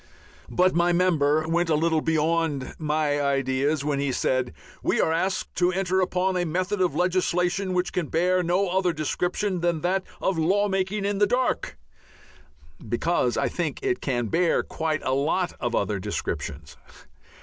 But my member went a little beyond my ideas when he said: "We are asked to enter upon a method of legislation which can bear no other description than that of law making in the dark," because I think it can bear quite a lot of other descriptions.